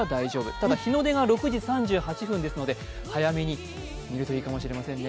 ただ、日の出が６時３８分ですので早めに見るといいかもしれませんね。